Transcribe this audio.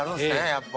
やっぱ。